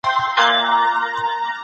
هغه په بڼ کي ګلانو ته اوبه ورکولي.